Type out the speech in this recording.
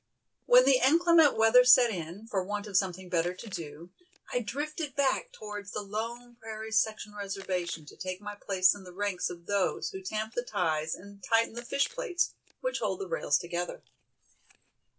When the inclement weather set in, for want of something better to do, I drifted back towards the lone prairie section reservation to take my place in the ranks of those who tamp the ties and tighten the "fish plates," which hold the rails together.